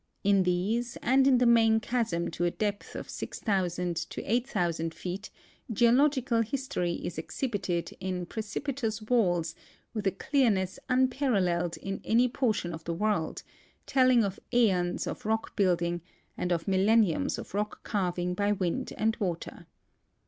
In these and in the main chasm to a depth of 6,000 to 8,000 feet geo logical history is exhibited in precipitous walls with a clearness "unparalleled in any portion of the world, telling of seons of rock building and of millenniums of rock carving by wind and water.